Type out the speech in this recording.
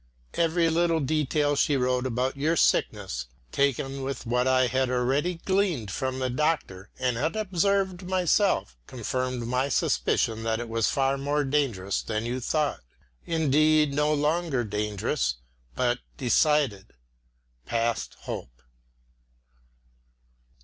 Every little detail she wrote about your sickness, taken with what I had already gleaned from the doctor and had observed myself, confirmed my suspicion that it was far more dangerous than you thought; indeed no longer dangerous, but decided, past hope.